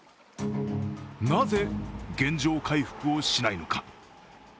なぜ、原状回復をしないのか。